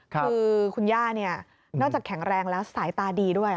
คือคุณย่านอกจากแข็งแรงแล้วสายตาดีด้วย